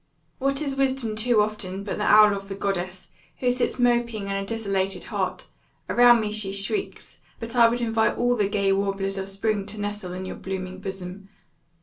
What is wisdom too often, but the owl of the goddess, who sits moping in a desolated heart; around me she shrieks, but I would invite all the gay warblers of spring to nestle in your blooming bosom.